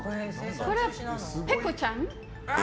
これ、ペコちゃん？